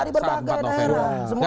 dari berbagai daerah